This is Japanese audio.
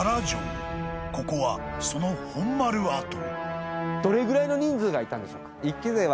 ［ここはその本丸跡］